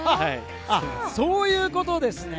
そういうことですね。